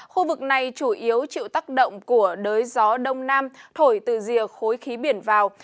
khu vực này chủ yếu chịu tác động của đới gió đông nam thổi từ rìa khối khí biển vào